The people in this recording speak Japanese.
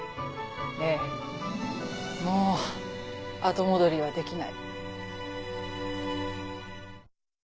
ええもう後戻りはできない。